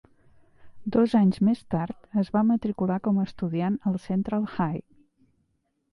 Dos anys més tard, es va matricular com a estudiant al Central High.